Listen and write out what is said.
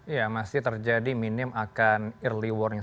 ya masih terjadi minim akan early warning